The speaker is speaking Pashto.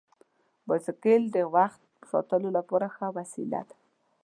بایسکل د وخت ساتلو لپاره ښه وسیله ده.